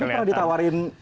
tapi pernah ditawarin